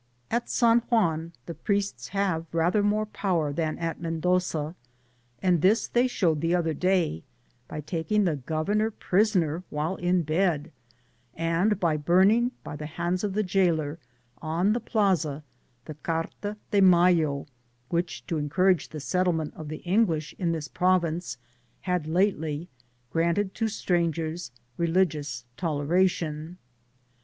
At San Juan the priests have rather more power than at Mendoza; and this they showed the other day, by taking the governor prisoner whilst* he was Digitized byGoogk OF THB PAMPAS. 29 in bed, and burning, by the hands of the jailer, on the Plaza, the Carta de Mayo, which, to Encourage the settlem^it of the English in this province, had lately granted religious toleration to strangers.